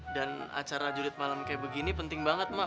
dan acara jurit malam kayak begini penting banget mak